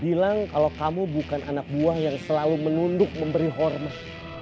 bilang kalau kamu bukan anak buah yang selalu menunduk memberi hormat